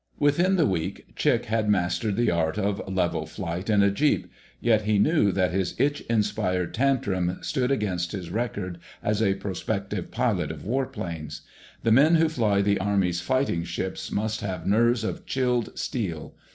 Within the week Chick had mastered the art of level "flight" in a "Jeep." Yet he knew that his itch inspired tantrum stood against his record as a prospective pilot of warplanes. The men who fly the Army's fighting ships must have nerves of chilled steel.